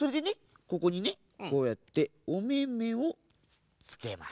ここにねこうやっておめめをつけます。